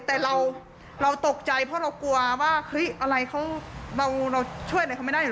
แต่เราตกใจเพราะเรากลัวว่าเฮ้ยอะไรเขาเราช่วยอะไรเขาไม่ได้เห